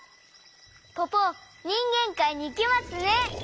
ポポにんげんかいにいけますね！